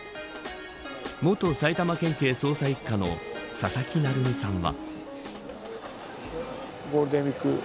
元埼玉県警捜査一課の佐々木成三さんは。